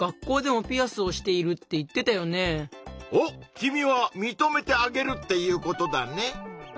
君はみとめてあげるっていうことだね！